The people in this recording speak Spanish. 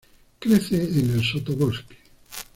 Crece en el sotobosque.